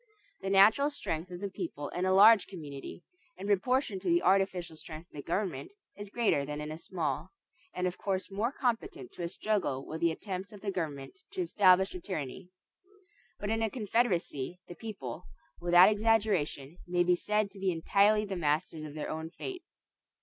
The natural strength of the people in a large community, in proportion to the artificial strength of the government, is greater than in a small, and of course more competent to a struggle with the attempts of the government to establish a tyranny. But in a confederacy the people, without exaggeration, may be said to be entirely the masters of their own fate.